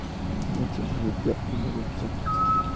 Nació en Nueva York, y murió en Los Ángeles.